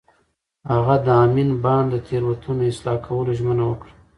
هغه د امین بانډ د تېروتنو اصلاح کولو ژمنه وکړه.